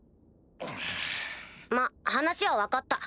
まっ話は分かった。